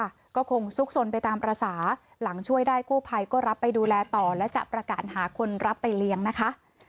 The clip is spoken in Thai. ก็คงซุกสนไปตามภาษาหลังช่วยได้กู้ภัยก็รับไปดูแลต่อและจะประกาศหาคนรับไปเลี้ยงนะคะ